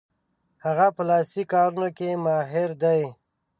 هغه په لاسي کارونو کې ماهر دی.